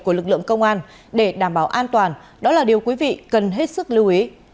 của lực lượng công an để đảm bảo an toàn đó là điều quý vị cần hết sức lưu ý